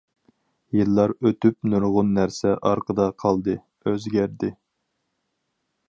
يىللار ئۆتۈپ نۇرغۇن نەرسە ئارقىدا قالدى، ئۆزگەردى.